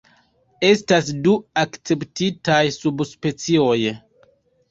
Estas du akceptitaj subspecioj.